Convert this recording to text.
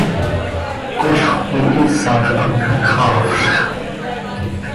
Colx cömihiisax hac xaafzx.